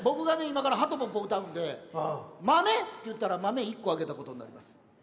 今から「はとぽっぽ」歌うんで豆って言ったら豆１個あげたことになります。